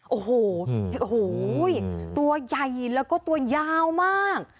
โอ้โหตัวใหญ่แล้วก็ตัวยาวมาก